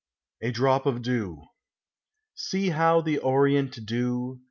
A DROP OF DEW. See how the orient dew.